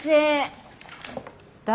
誰？